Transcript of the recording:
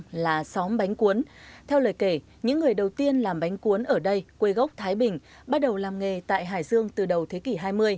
tết là xóm bánh cuốn theo lời kể những người đầu tiên làm bánh cuốn ở đây quê gốc thái bình bắt đầu làm nghề tại hải dương từ đầu thế kỷ hai mươi